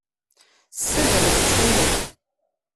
Ssader-as, ttxil-k.